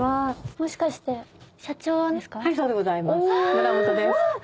村本です。